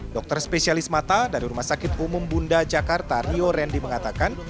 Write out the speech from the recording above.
dokter spesialis mata dari rumah sakit umum bunda jakarta rio randy mengatakan